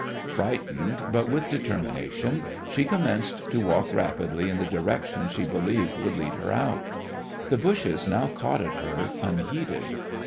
Frightened, but with determination, she commenced to walk rapidly in the direction she believed would lead her out. The bushes now caught at her unheeded.